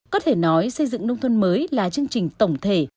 có thể nói xây dựng nông thôn mới là chương trình tổng thể